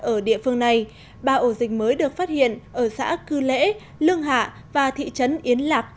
ở địa phương này ba ổ dịch mới được phát hiện ở xã cư lễ lương hạ và thị trấn yến lạc